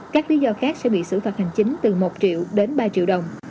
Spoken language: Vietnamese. các lý do khác sẽ bị xử phạt hành chính từ một triệu đến ba triệu đồng